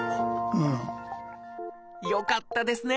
よかったですね！